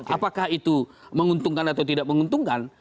apakah itu menguntungkan atau tidak menguntungkan